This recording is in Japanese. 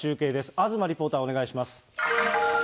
東リポーター、お願いします。